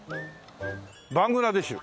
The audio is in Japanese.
「バングラデシュ」